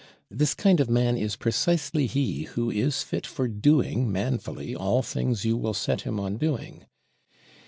This kind of man is precisely he who is fit for doing manfully all things you will set him on doing.